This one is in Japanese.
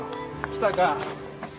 来たか。